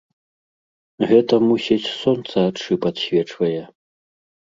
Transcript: Гэта, мусіць, сонца ад шыб адсвечвае.